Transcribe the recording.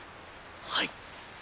はい。